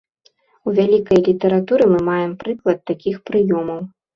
У вялікай літаратуры мы маем прыклад такіх прыёмаў.